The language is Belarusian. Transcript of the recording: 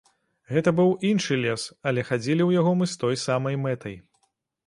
Гэта быў іншы лес, але хадзілі ў яго мы з той самай мэтай.